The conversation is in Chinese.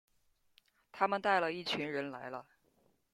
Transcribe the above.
他们带了一群人来了